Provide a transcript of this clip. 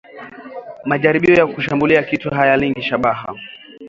Majaribio ya kushambulia kitu hayalengi shabaha